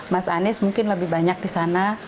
mas anies mungkin lebih banyak di sana